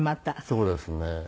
そうですね。